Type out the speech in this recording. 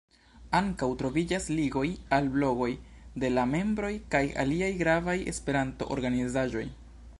Ankaŭ troviĝas ligoj al blogoj de la membroj kaj aliaj gravaj esperanto-organizaĵoj.